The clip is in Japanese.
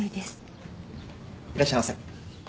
いらっしゃいませ。